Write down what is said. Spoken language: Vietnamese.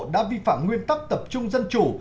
đã vi phạm nguyên tắc tập trung dân chủ